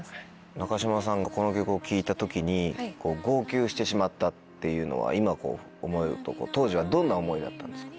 中島さんがこの曲を聴いた時に号泣してしまったっていうのは今思うと当時はどんな思いだったんですか？